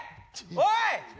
おい！